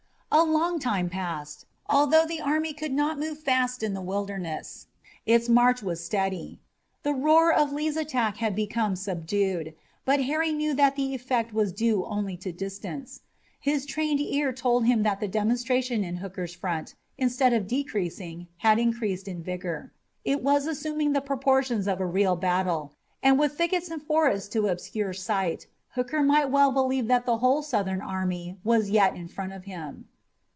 A long time passed. Although the army could not move fast in the Wilderness, its march was steady. The roar of Lee's attack had become subdued, but Harry knew that the effect was due only to distance. His trained ear told him that the demonstration in Hooker's front, instead of decreasing, had increased in vigor. It was assuming the proportions of a real battle, and with thickets and forests to obscure sight, Hooker might well believe that the whole Southern army was yet in front of him.